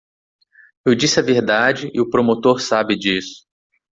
Eu disse a verdade e o promotor sabe disso.